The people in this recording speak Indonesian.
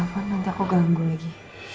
nanti aku ganggu lagi